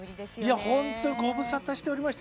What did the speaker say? いや本当にご無沙汰しておりました。